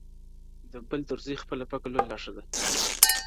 o د بل تر زوى خپله پکه لور لا ښه ده!